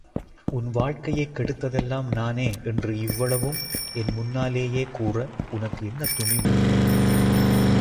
உன் வாழ்க்கையைக் கெடுத்ததெல்லாம் நானே என்று இவ்வளவும் என் முன்னாலேயே கூற உனக்கு என்ன துணிவு?